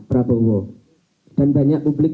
prabowo dan banyak publik